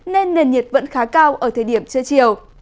nên nền nhiệt vẫn khá cao ở thời điểm trưa chiều